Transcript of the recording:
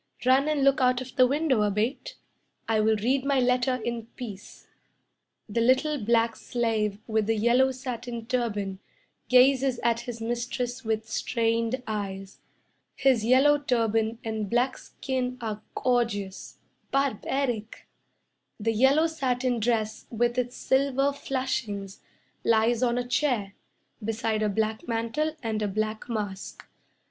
Run and look out of the window, Abate. I will read my letter in peace." The little black slave with the yellow satin turban Gazes at his mistress with strained eyes. His yellow turban and black skin Are gorgeous barbaric. The yellow satin dress with its silver flashings Lies on a chair Beside a black mantle and a black mask.